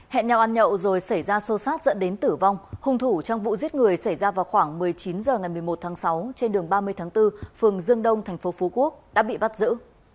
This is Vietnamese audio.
bảy hẹn nhau ăn nhậu rồi xảy ra sâu sát dẫn đến tử vong hùng thủ trong vụ giết người xảy ra vào khoảng một mươi chín h ngày một mươi một tháng sáu trên đường ba mươi tháng bốn phường dương đông tp phú quốc đã bị bắt giữ